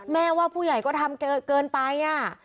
แม่ว่าผู้ใหญ่ก็ทำเกินไป